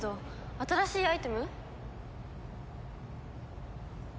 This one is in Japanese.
新しいアイテム？